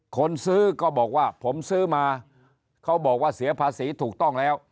คนซื้อก็บอกว่าผมซื้อมาเขาบอกว่าเสียภาษีถูกต้องแล้ว